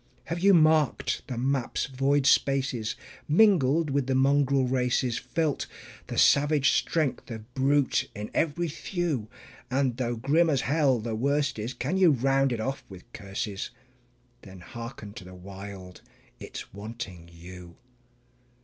Have you marked the map's void spaces, mingled with the mongrel races, Felt the savage strength of brute in every thew? And though grim as hell the worst is, can you round it off with curses? Then hearken to the Wild it's wanting you.